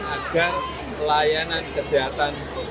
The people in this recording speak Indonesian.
pemain di pasar harian supportnya apa pak